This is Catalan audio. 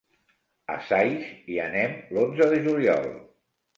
A Saix hi anem l'onze de juliol.